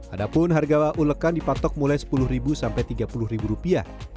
ada pun harga ulekan dipatok mulai sepuluh ribu sampai tiga puluh ribu rupiah